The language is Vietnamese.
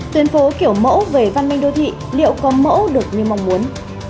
tuyến phố kiểu mẫu về văn minh đô thị liệu có mẫu được như mong muốn